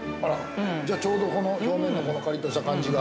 ◆じゃあ、ちょうど表面のカリッとした感じが。